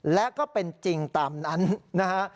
และก็เป็นจริงตามนั้นนะฮะ